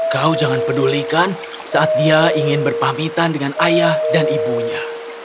kau jangan pedulikan saat dia ingin berpamitan dengan ayah dan ibunya